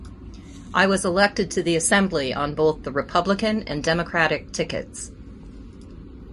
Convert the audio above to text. I was elected to the Assembly on both the Republican and Democratic tickets.